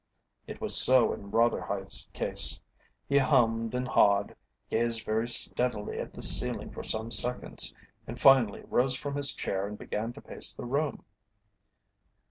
It was so in Rotherhithe's case. He hummed and hawed, gazed very steadily at the ceiling for some seconds, and finally rose from his chair and began to pace the room.